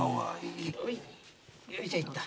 よいしょ行った。